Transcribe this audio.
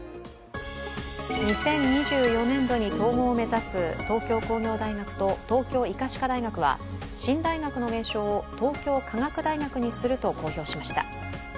２０２４年度に統合を目指す東京工業大学と東京医科歯科大学は新大学の名称を東京科学大学にすると公表しました。